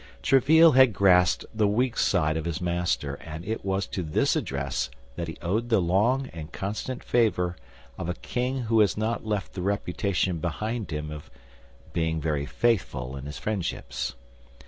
Tréville had grasped the weak side of his master; and it was to this address that he owed the long and constant favor of a king who has not left the reputation behind him of being very faithful in his friendships.